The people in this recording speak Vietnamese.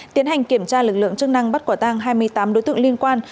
tiến hành kiểm tra lực lượng chức năng bắt quả tang hai mươi tám đối tượng liên quan